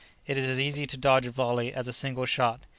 It is as easy to dodge a volley as a single shot.